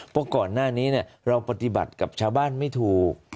เพราะก่อนหน้านี้เราปฏิบัติกับชาวบ้านไม่ถูก